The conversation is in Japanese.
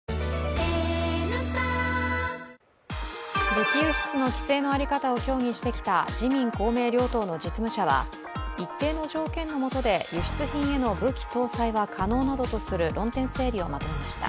武器輸出の規制の在り方を協議してきた自民・公明両党の実務者は一定の条件のもとで輸出品への武器搭載は可能などとする論点整理をまとめました。